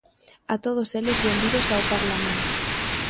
A todos eles, benvidos ao Parlamento.